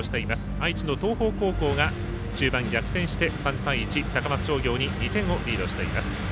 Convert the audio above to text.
愛知の東邦高校が中盤逆転して３対１、高松商業に２点をリードしています。